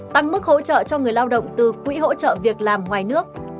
tăng mức hỗ trợ cho người lao động từ quỹ hỗ trợ việc làm ngoài nước